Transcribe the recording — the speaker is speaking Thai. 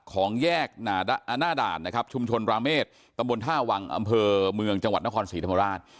ของแยกหน้าด่านนะครับชุมชนราเมษตำบลท่าวังอำเภอเมืองจังหวัดนครศรีธรรมราช